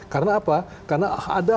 karena apa karena ada